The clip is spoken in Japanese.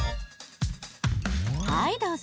はいどうぞ。